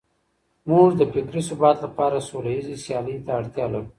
موږ د فکري ثبات لپاره سوليزې سيالۍ ته اړتيا لرو.